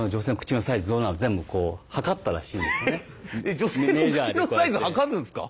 女性の口のサイズ測るんですか？